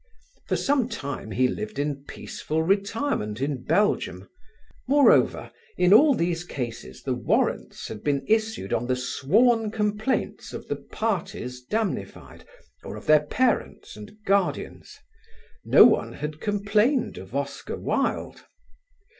For some time he lived in peaceful retirement in Belgium. Moreover, in all these cases the warrants had been issued on the sworn complaints of the parties damnified or of their parents and guardians: no one had complained of Oscar Wilde.